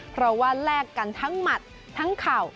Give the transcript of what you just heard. เพราะว่าแลกกันทั้งหมัดทั้งเข่า